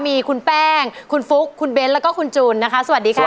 มีคุณแป้งคุณฟุ๊กคุณเบ้นแล้วก็คุณจูนนะคะสวัสดีค่ะ